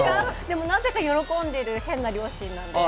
でもなぜか喜んでる変な両親なんで。